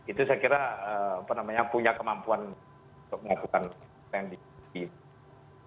itu saya kira punya kemampuan untuk melakukan pendingin